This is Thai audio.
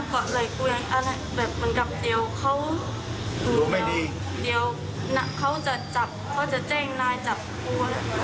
เขาทำอย่างนี้ค่ะ